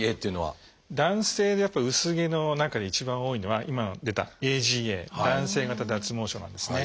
男性でやっぱり薄毛の中で一番多いのは今出たＡＧＡ男性型脱毛症なんですね。